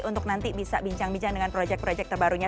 untuk nanti bisa bincang bincang dengan proyek proyek terbarunya